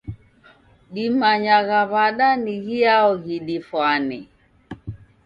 Dimanyagha w'ada ni ghiao ghidifwane?